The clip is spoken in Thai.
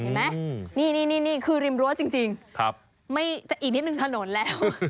เห็นไหมนี่นี่นี่นี่คือริมรั้วจริงจริงครับไม่จะอีกนิดหนึ่งถนนแล้ว